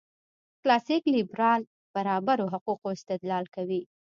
کلاسیک لېبرال برابرو حقوقو استدلال کوي.